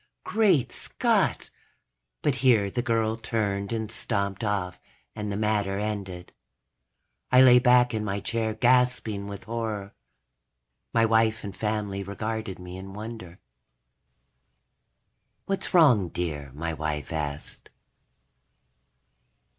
_ Great Scott! But here the girl turned and stomped off and the matter ended. I lay back in my chair gasping with horror. My wife and family regarded me in wonder. "What's wrong, dear?" my wife asked.